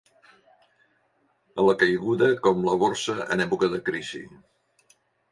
Alacaiguda com la Borsa en època de crisi.